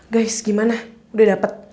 guys gimana udah dapet